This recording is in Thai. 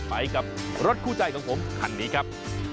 ไปกับรถคู่ใจของผมคันนี้ครับ